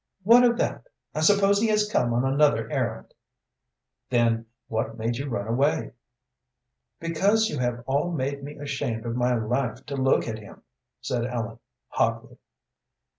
"What of that? I suppose he has come on another errand." "Then what made you run away?" "Because you have all made me ashamed of my life to look at him," said Ellen, hotly.